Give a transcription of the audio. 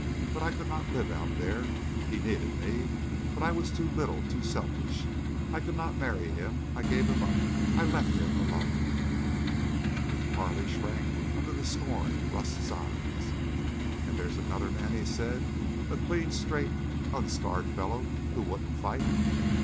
But I could not live out there. He needed me. But I was too little—too selfish. I could not marry him. I gave him up. ... I left—him—alone!" Carley shrank under the scorn in Rust's eyes. "And there's another man," he said, "a clean, straight, unscarred fellow who wouldn't fight!"